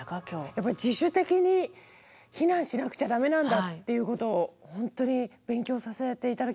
やっぱり自主的に避難しなくちゃダメなんだっていうことを本当に勉強させて頂きましたね。